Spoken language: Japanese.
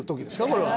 これは。